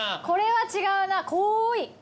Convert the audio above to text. これは違うな濃ーい。